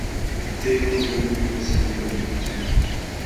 They would remain in the Central Division.